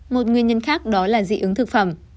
một nguyên nhân khác đó là dị ứng thực phẩm